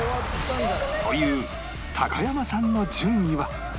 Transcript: という高山さんの順位は？